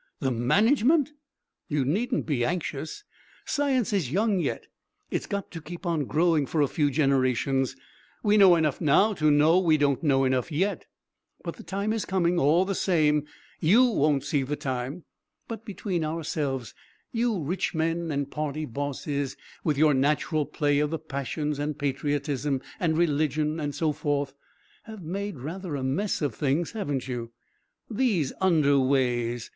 "The management?" "You needn't be anxious. Science is young yet. It's got to keep on growing for a few generations. We know enough now to know we don't know enough yet.... But the time is coming, all the same. You won't see the time. But, between ourselves, you rich men and party bosses, with your natural play of the passions and patriotism and religion and so forth, have made rather a mess of things; haven't you? These Underways!